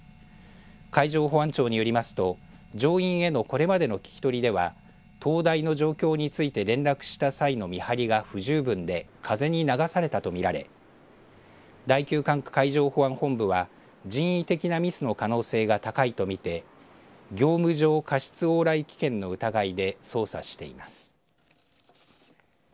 海上保安庁によりますと乗員へのこれまでの聞き取りでは灯台の状況について連絡した際の見張りが不十分で風に流されたと見られ第９管区海上保安本部は人為的なミスの可能性が高いと見て業務上過失往来危険の疑いで捜査しています。